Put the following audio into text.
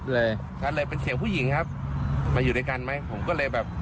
เลยก็เลยเป็นเสียงผู้หญิงครับมาอยู่ด้วยกันไหมผมก็เลยแบบ